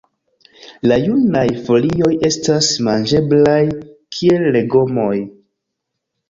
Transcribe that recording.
La junaj folioj estas manĝeblaj kiel legomoj.